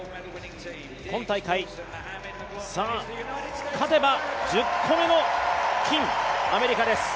今大会、勝てば１０個目の金、アメリカです。